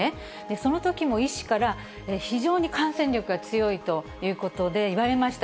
そのときも医師から、非常に感染力が強いということで言われました。